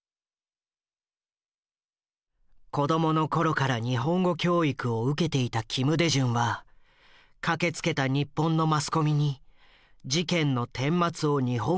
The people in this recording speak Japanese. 子供の頃から日本語教育を受けていた金大中は駆けつけた日本のマスコミに事件のてんまつを日本語で語っている。